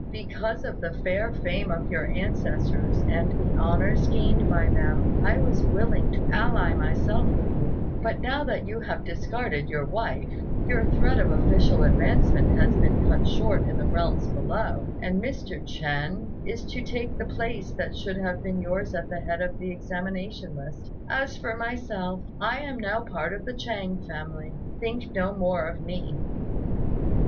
Because of the fair fame of your ancestors, and the honours gained by them, I was willing to ally myself with you; but now that you have discarded your wife, your thread of official advancement has been cut short in the realms below, and Mr. Ch'ên is to take the place that should have been yours at the head of the examination list. As for myself, I am now part of the Chêng family; think no more of me."